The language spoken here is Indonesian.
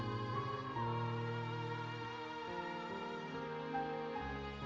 tuhan yang menjaga saya